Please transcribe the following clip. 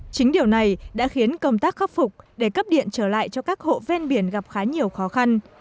chính điều này đã khiến công tác khắc phục để cấp điện trở lại cho các hộ ven biển gặp khá nhiều khó khăn